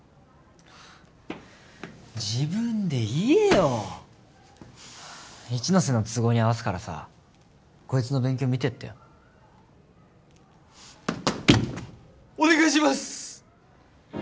自分で言えよ一ノ瀬の都合に合わすからさこいつの勉強見てやってよお願いします！